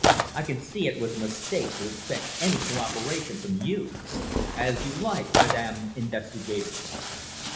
I can see it was a mistake to expect any co operation from you." "As you like, Madame Investigator."